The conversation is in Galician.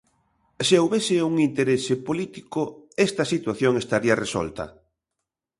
Se houbese un interese político, esta situación estaría resolta.